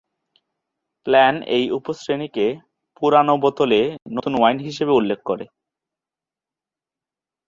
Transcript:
Plan এই উপ-শ্রেণিকে "পুরানো বোতলে নতুন ওয়াইন" হিসাবে উল্লেখ করে।